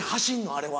あれは。